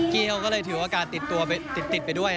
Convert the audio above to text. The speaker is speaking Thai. กี้เขาก็เลยถือว่าการติดตัวไปด้วย